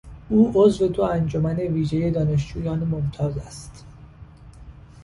او عضو دو انجمن ویژهی دانشجویان ممتاز است.